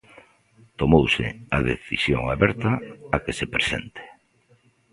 Tomouse a decisión aberta a que se presente.